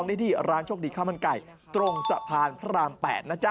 ได้ที่ร้านโชคดีข้าวมันไก่ตรงสะพานพระราม๘นะจ๊